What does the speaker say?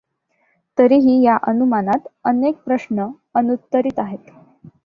तरीही या अनुमानात अनेक प्रश्न अनुत्तरित आहेत.